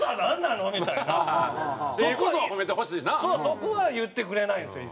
そこは言ってくれないんですよ